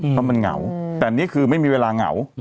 เพราะมันเหงาแต่นี่คือไม่มีเวลาเหงา